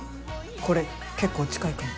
これ結構近いかも。